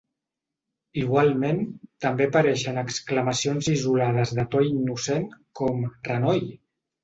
Igualment, també apareixien exclamacions isolades de to innocent, com "renoi!".